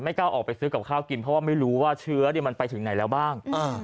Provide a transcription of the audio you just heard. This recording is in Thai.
กล้าออกไปซื้อกับข้าวกินเพราะว่าไม่รู้ว่าเชื้อมันไปถึงไหนแล้วบ้าง